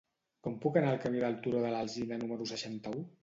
Com puc anar al camí del Turó de l'Alzina número seixanta-u?